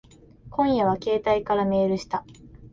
今夜は携帯からメールした。